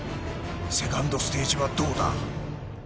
セカンドステージはどうだ。